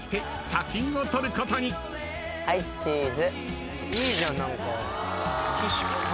はいチーズ。